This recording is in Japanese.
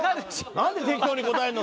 なんで適当に答えるの？